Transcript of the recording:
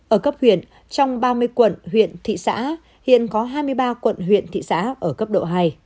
ở cấp huyện trong ba mươi quận huyện thị xã hiện có hai mươi ba quận huyện thị xã ở cấp độ hai